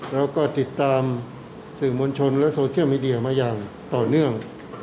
แล้วก็ติดตามสื่อมวลชนและโซเชียลมีเดียมาอย่างต่อเนื่อง